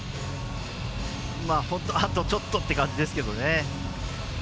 本当、あとちょっとって感じですけどね。